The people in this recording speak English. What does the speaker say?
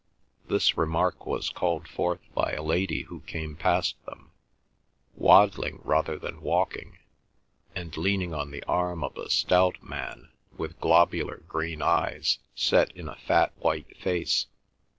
This remark was called forth by a lady who came past them, waddling rather than walking, and leaning on the arm of a stout man with globular green eyes set in a fat white face.